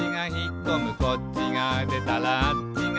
「こっちがでたらあっちが」